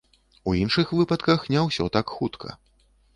У іншых выпадках не ўсё так хутка.